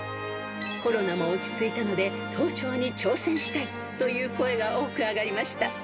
［コロナも落ち着いたので登頂に挑戦したい！という声が多く上がりました］